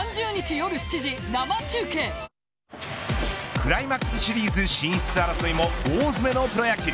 クライマックスシリーズ進出争いも大詰めのプロ野球。